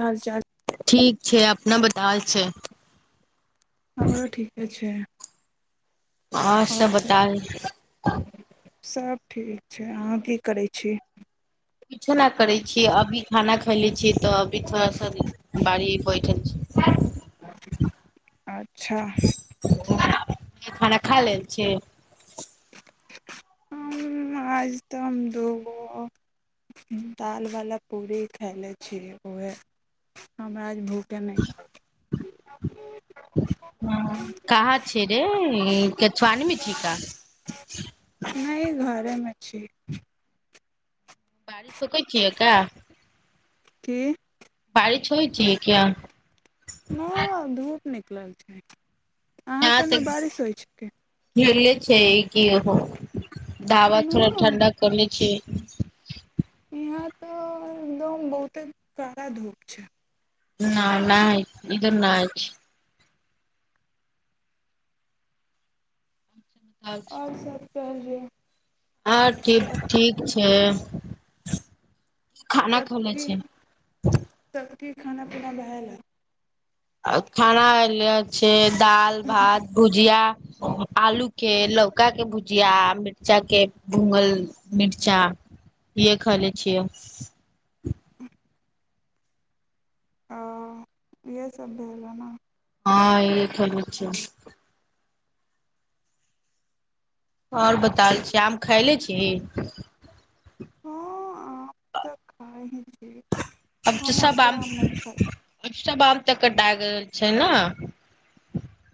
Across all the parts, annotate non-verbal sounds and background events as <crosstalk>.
हाल चाल ठीक छै अपना बताल छै हमरो ठीके छै अँ सब बताउ सब ठीक छै अहाँ की करै छी किछु नहि करै छियै अभी खाना खैले छियै तऽ अभी थोड़ा सा बाढ़ी बैठल अच्छा खाना खा लेल छ ह आज तऽ हम दोगो दालवला पूड़री खााय लै छीै उएह हमरा आज भूख के नहि ह कहाँ छै रे सआानी मि छीका नहि घरमे छै बड़ी सुकै छियै का की बारि छ होइ छियै क्या न धूप निकलल छै अहाँ यहाँ क नहि तऽ बारिश होइ छिकै घेरले छै कि हो ढाबा थोड़ा न ठण्डा कने छै यहाँ तो एकदम बहुते कड़ा धूप छै न नहिा इ न आयछ आओर सब कहलियय हँ ठीक ठीक छै खाना खोल छै कि खाना पीना बहाय ल आ खानाल छै दाल भात भुजिया आलू के लौका के भुजिया मिर्चा के भूंगल मिर्चा य ख ले छियै <unintelligible> <inaudible> ओ इहे सब भेल ने हँ ई खलू छै और बताल छी आम खायले छी हँ आम <unintelligible> तऽ खा छ अब त सब आम हब आम तऽ कटाए गेल छै ने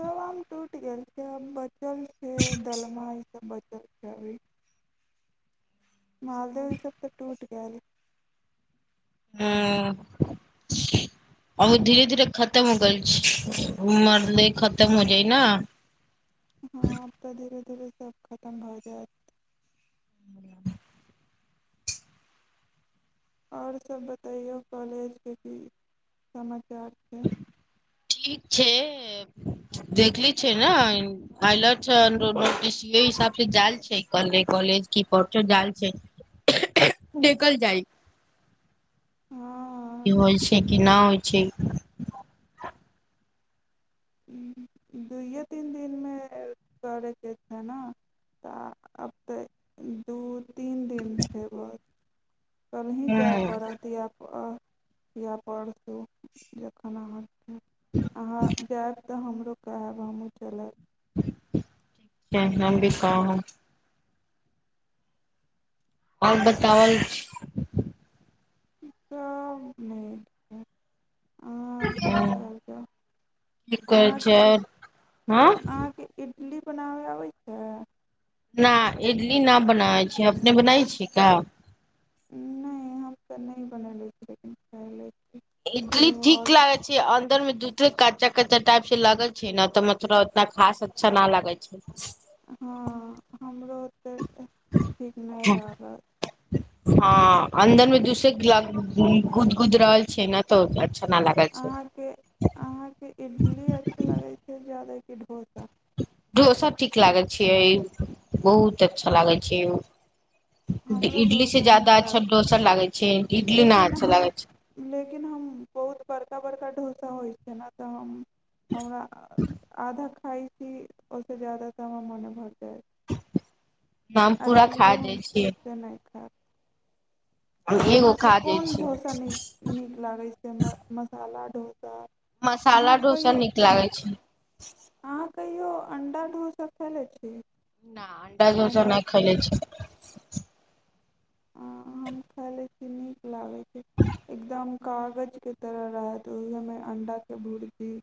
सब आम टूटि गेल छै आब बचल छै दलमइ त बचल छै अभी <unintelligible> मालदह ई सब तऽ टूट गैल हँ <inaudible> आब धीरे धीरे खतम हो गेल छै मालद खतम हो जाइ ने द सब खतम भऽ जायत <unintelligible> और सब बतैयौ कॉलेज के की समाचार छै ठीक छै देखले छै ने अल <unintelligible> हिसाब से जायल छै के कले की प जाल छै <unintelligible> <inaudible> निकल जाइ हँ की होइ छै कि नहि होइ छै दूइयो तीन दिनमे करके छै ने तऽ आब तऽ दू तीन दिन में कलही जाय ह पड़त या या परसू जखन अहाँके अहाँ जायब <inaudible> तऽ हमरो कहब हमहूँ चलब ठ छै हम भी कहाँ ह <unintelligible> आर बतावल काम नहि ह क कर छ अहाँके आओर हँ <unintelligible> इट्ली बनाबै अबै छै न इडली न बनाबै छै अपने बनाबै छियै का नहि हम तऽ नहि बनैले छी लेकिन खैले छि इडली ठीक लागे छै अन्दरमे दूध कच्चा कच्चा टाइप से लगे छै ने तऽ मतलब उतना खास अच्छा न लगे छै हँ हमरो तऽ ठीक नहि लागत हँ अन्दर मे दूसे गुद गुद रहल छै ने तऽ नालागै छै अहाँके अहाँके इडली अच्छा लागै छै ज्यादा डोसा डोसा ठीक लागै छियै बहुत अच्छा लागै छै उ हमरो इडली से डोसा नीक जादा लागै छै अच्छा डोसा लागै छै इडली नहि लेकिन अच्छा हम लागै छै लेकिन हम बहुत बड़का बड़का ढ़ोसा होइ छै ने तऽ हम हमरा आधा खइ छी ओसे जादा तऽ हमर मोने भरऽ हमपूरा खा दै छै ओते नहि खा एगो अहाँके खा जाइ कोन छी ढ़ोसा नी नीक लागै छै मसाला डोसा मसाला अहाँ ढ़ोसा कहियो नीक लागै छै। अहाँ कहियो अण्डा ढोसा खैेलै छी। न अंडा ढ़ोसा अण्डा नहि खायले चीज छि हम खयले नीक लागै छै। एकदम कागज के तरह रहत ओहि हमे अंडा के भूर भी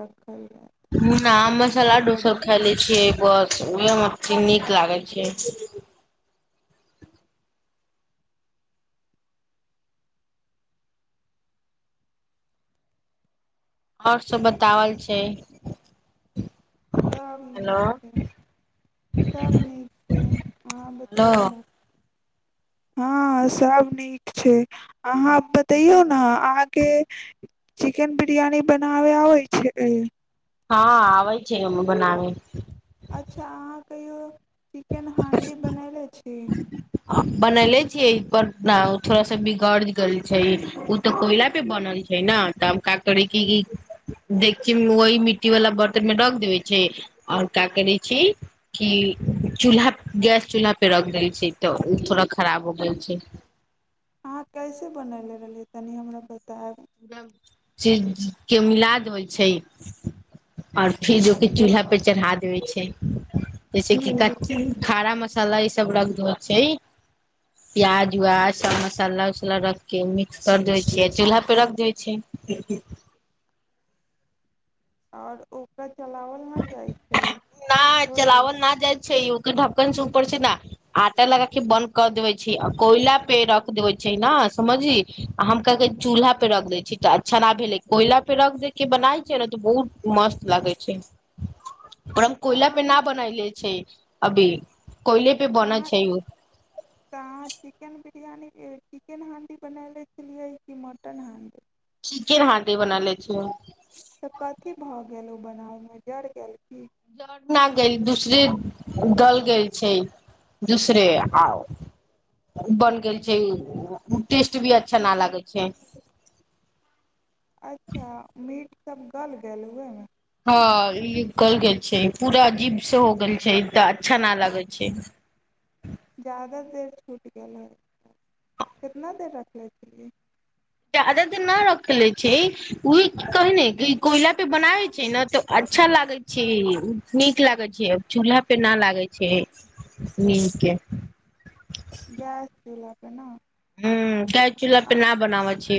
राखल रह ह ने आम मसालाडू सब खायले छियै बस ओ <unintelligible> छि नीक लागै छै और सब बतावल छै सभ नीक हेलो छै सब नीक छै अहाँ बतैयौ हेलो ने ह सब नीक छै अहाँ बतैयौ ने अहाँ के चिकन बिरियानी बनावे आबै छै हँ आबै छै हम बनाव अच्छा अहाँ कहियो चिकेन हांडी बनैले छी बनले छियै पर ना थोड़ा सा बिगड़ गेल छै उ तऽ कोयला पे बनल छै ने तब का करेके कि की देखीयौ न वहि मिट्टी वाला बर्तन में रख देवे छै और का करे छी की चूल्हा गैस चूल्हा पे रख देल छै तऽ ओ थोड़ा खराब हो गेल छै अहाँ कैसे बनैले रहलियै तनि हमरा बतायब जब चीज के मिला देबै छै ओर फेर जो कि चूल्हा पर चढ़ा देबे छै जैसे कि खारा मसाला ईसभ रख देबै छै। प्याज उ्याज सब मसाला उसाला रख के मिक्स कर देबै छै। चूल्हा पे रख जाइ छै और ओकरा चलावल नहि जाइ छै न छोड़ दै चलाबल न जाइत छै औकि ढकन से पड़ छै ने आटा लगा की बन्द कर देबै छै आ कोइला पे रख देबै छै न समझी आ हम कहके चूल्हा पे रख दै छी तऽ अच्छा न भेले कोयला पे रख दे के बनाय छै त बहुत मस्त लगे छै पर हम तऽ कोयला पे न अहाँ बनैले छै अभी कोयले पे तऽ बन अहाँ छै ओ यानीक चिकेन हांडी बनले छलियै कि मटन हांडी चिकेन हांडी बना ले छीयै गेलो बनाव में जड़ गेल की जरना गेल दूसरे गल गेल छै दूसरे आ बन गेल छै टेस्ट भी अच्छा न लागै छै अच्छा मीट सब गल गेल उहमे ह ई कहल गेल छै पूरा अजीब से हो गेल छै तऽ अच्छा न लागै छै <inaudible> जादा देर छूट गेल है कितना देर रखनले छियै जाद देर नहि रखले छै ओ कहै ने कि कोयला पे बनाबे छै ने तऽ आज अच्छा लागे छै नीक लागे छै चूल्हा पे न लागे छै नीके गैस देलक है न ह्म तै चूल्हा पे न बनावै छै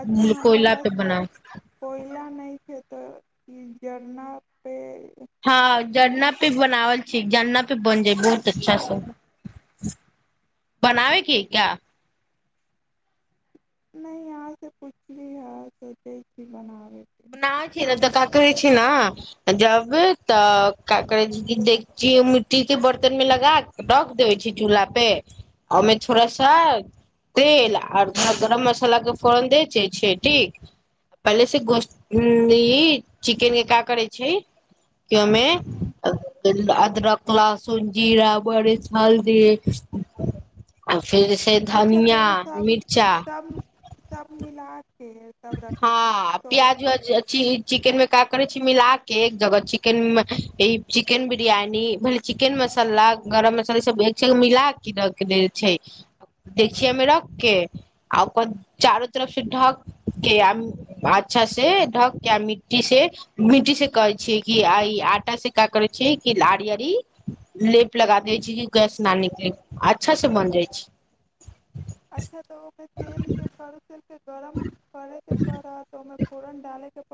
अच्छा हमरा कोयला पास पे को बनाव कोयला नहि छै तऽ ई जरना पे हँ झरना पी बनावल ठ जानना पे बन जाय बहुत अच्छा से बनावेके क्या नहि यहाँ से कुछ भी ह सोच जी बन न खेल त क ै छी ने जब तऽ देख मिट्टी के बर्तन मे लगा रख देबे छी चूलहा पे ओमे थोड़ा सा तेल आर थोड़ा गरम मसाला के फोरन दै छै छ ठीक पहिले से गो ह ई चिकेन के का करै छै केमे अदरक लसुन जीरा बड़ हल्दी फेर से अच्छा तऽ धनिया ओसभ मिरचा सभ सभ मिला कऽ तब रखै छी हँ तऽ प्याज व्याज अी चिकेन मे क करै छी मिल के एक जगह चिकेन ई चिकेन बिरयनीी भल चिकेन मसला गरम मसाली सब एक सबग मिला क रख द छै देखिय हममे रक के आकर चारो तरफ से ढक के अच्छा से ढक के आ मिट्टी से मिट्टी से कहै छीियै कि आ ई आटा शिका कर छै कि लड़ियरी लेप लगा दै छै कि गैस न निकले अच्छा से माजदई जाइ छै अच्छा त ओमे तेल के करु तेलक गरम करैके पड़ा त पूरन डालैके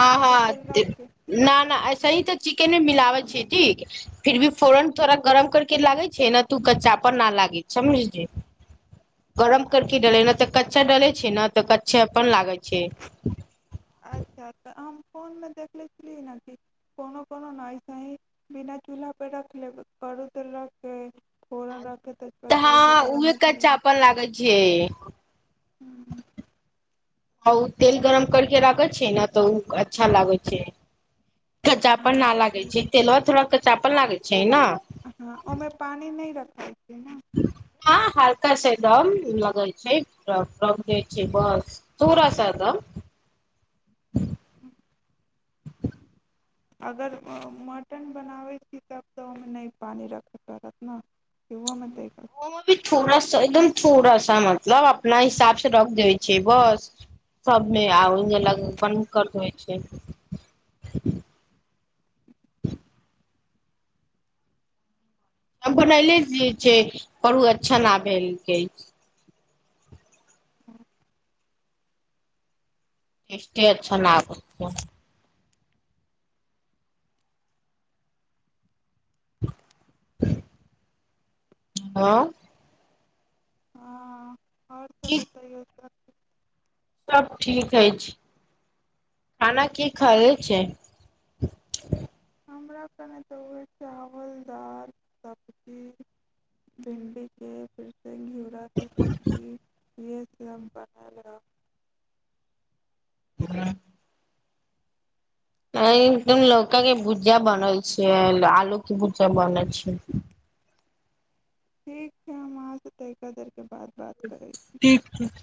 ह ह के नऐस तऽ चिकेन मिल छै ठीक फिर भी फोरन थोड़ा गरम कर के लागे छै ने तू कच्चापर न लागे छै समझलिय <inaudible> गरम अ- कर कऽ डलै ने तऽ कच्चा डलै छै ने तऽ कच्चा अपन लागै छै अच्छा तऽ हम फोन मे देखले छली न कोनो कोनो न ना चूल्हा परे रख लेब करू त रखे फोरन रख के तऽ तेजपत्ता ई हँ सब गरम उहे मसाला रख कच्चाापन लागै छै आ ओ तेल गरम करके राखै छै ने तऽ ओ अच्छा लागै छै कच्चाापन न लागै के छै तेल थोड़ा कच्चाापन लागै छै ने हँ ओहिमे पानि नहि रखैत छै न हँ हल्का सेदम लगै छै प्रम छै बस पूरा स त <inaudible> अगर मटन बनाबै छी तब तऽ ओहिमे नहि पानि रखय पड़त ने यहो म पूड़ सा मतलब अपना हिसाब से रख दै छै बस सबने आ अलग अपन करत होइ छै <inaudible> हम बनले रै छै करू ओ अच्छा न भेलकै छै टे अ छ न कर ह हँ ह आओर त बतईयौ सभ ठीक अछि खाना की खायै छै हमरा कने तऽ ओए चावल दाल सब्जी भिंडी के गीरा के सब्जी इह फ हम बढ़ल रहब हँ अए एकदम लौका के भुजिया बनल छैआलू की भुजा बनल छै ठीक छै हम आहाँ से तैका दर ठीक ठीक